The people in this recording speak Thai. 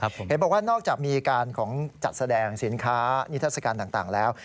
เห็นบอกว่านอกจากมีการของจัดแสดงสินค้านิทัศกาลต่างแล้ว